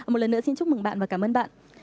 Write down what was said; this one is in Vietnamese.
một lần nữa xin chúc mừng bạn và cảm ơn bạn